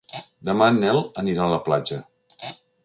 Demà en Nel anirà a la platja.